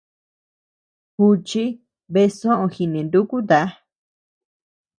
Juchi bea soʼö jinenúkuta.